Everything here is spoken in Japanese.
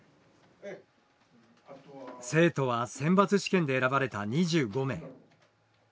生徒は選抜試験で選ばれた２５名。